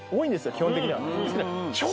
基本的にははあ